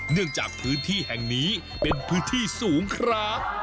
เนื่องจากพื้นที่แห่งนี้เป็นพื้นที่สูงครับ